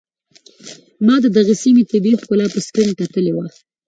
ما د دغې سيمې طبيعي ښکلا په سکرين کتلې وه.